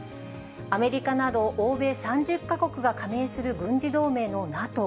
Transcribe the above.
アメリカなど欧米３０か国が加盟する軍事同盟のＮＡＴＯ。